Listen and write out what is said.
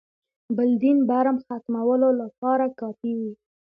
بل دین برم ختمولو لپاره کافي وي.